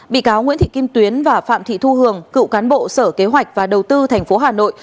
bị cáo nguyễn thị kim tuyến và phạm thị thu hường cựu cán bộ sở kế hoạch và đầu tư tp hà nội